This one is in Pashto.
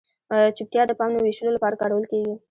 چپتیا د پام نه وېشلو لپاره کارول کیږي.